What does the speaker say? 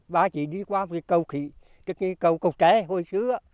ba chị đi qua cầu trẻ hồi xưa